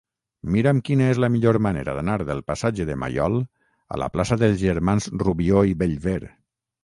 Mira'm quina és la millor manera d'anar del passatge de Maiol a la plaça dels Germans Rubió i Bellver.